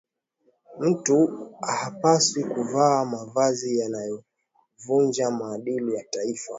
Mtu hapaswi kuvaa mavazi yanayovunja maadili ya taifa